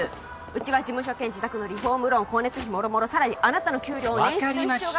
うちは事務所兼自宅のリフォームローン光熱費もろもろさらにあなたの給料を捻出分かりました